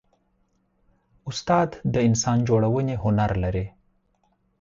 استاد د انسان جوړونې هنر لري.